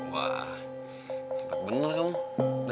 wah bener kamu